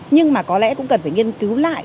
nhưng mà có lẽ cũng cần phải nghiên cứu lại